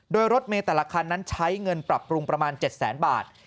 โดยรถเมย์แต่ละคันนั้นใช้เงินปรับปรุงประมาณ๗แสนบาท